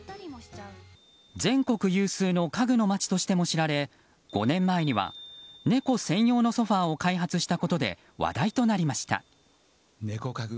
全国有数の家具の街しても知られ５年前には猫専用のソファを開発したことで話題となりました。